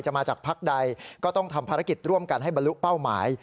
มาจากพักใดก็ต้องทำภารกิจร่วมกันให้บรรลุเป้าหมาย